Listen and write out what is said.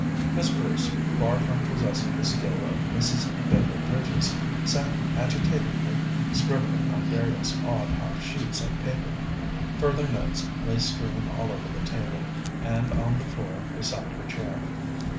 Miss Bruce, far from possessing the skill of Mrs. Baker Bridges, sat agitatedly scribbling on various odd half sheets of paper. Further notes lay strewn all over the table and on the floor beside her chair.